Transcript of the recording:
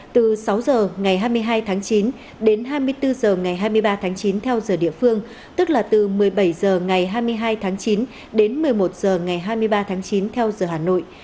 từ sáu h ngày hai mươi hai tháng chín đến hai mươi bốn h ngày hai mươi ba tháng chín theo giờ địa phương tức là từ một mươi bảy h ngày hai mươi hai tháng chín đến một mươi một h ngày hai mươi ba tháng chín theo giờ hà nội